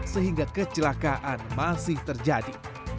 sehingga kecelakaan masih terjadi